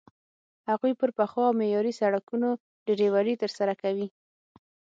هغوی پر پخو او معیاري سړکونو ډریوري ترسره کوي.